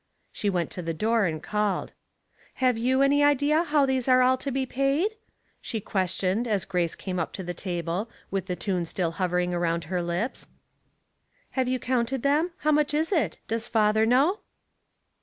She went to the door and called. " Have you any idea how these are all to be paid ?" she questioned, as Grace came up to the table, with the tune still hovering around her lips. " Have you counted them ? How much is it ? Does father know